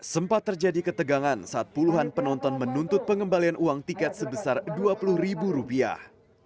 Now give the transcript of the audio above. sempat terjadi ketegangan saat puluhan penonton menuntut pengembalian uang tiket sebesar dua puluh ribu rupiah